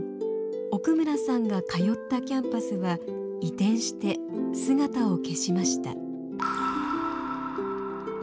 奥村さんが通ったキャンパスは移転して姿を消しました。